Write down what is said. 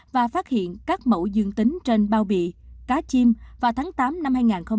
và phát hiện các mẫu dương tính trên bao bì cá chim vào tháng tám năm hai nghìn hai mươi